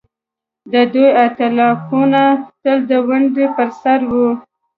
د دوی ائتلافونه تل د ونډې پر سر وي.